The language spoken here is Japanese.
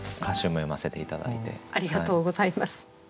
ありがとうございます。